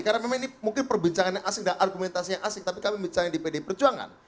karena memang ini mungkin perbincangannya asing dan argumentasinya asing tapi kami bicara di pd perjuangan